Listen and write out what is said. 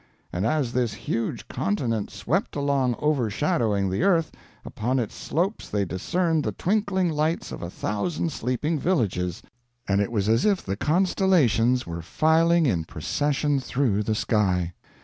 And as this huge continent swept along overshadowing the earth, upon its slopes they discerned the twinkling lights of a thousand sleeping villages, and it was as if the constellations were filing in procession through the sky.